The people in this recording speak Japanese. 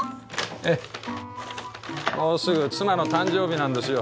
ええもうすぐ妻の誕生日なんですよ。